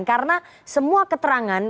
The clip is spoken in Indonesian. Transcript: karena semua keterangan